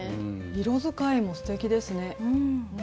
色使いもすてきですね。